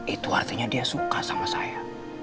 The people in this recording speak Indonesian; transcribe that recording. itu artinya dia suka sama saya